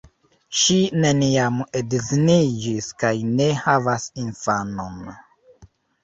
Ŝi neniam edziniĝis kaj ne havas infanon.